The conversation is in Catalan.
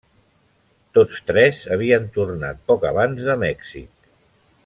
Tots tres havien tornat poc abans de Mèxic.